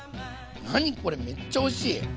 何これめっちゃおいしい！